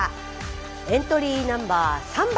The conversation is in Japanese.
エントリーナンバー３番。